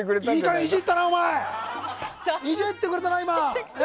いじってくれたな今。